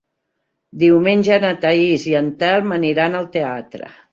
Diumenge na Thaís i en Telm aniran al teatre.